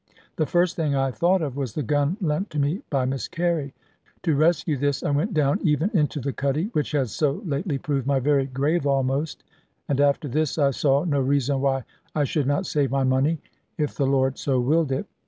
The first thing I thought of was the gun lent to me by Miss Carey. To rescue this, I went down even into the cuddy which had so lately proved my very grave almost; and after this I saw no reason why I should not save my money, if the Lord so willed it.